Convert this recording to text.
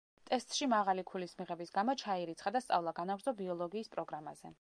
ტესტში მაღალი ქულის მიღების გამო, ჩაირიცხა და სწავლა განაგრძო ბიოლოგიის პროგრამაზე.